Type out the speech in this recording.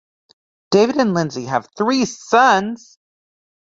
David and Lindsay have three sons.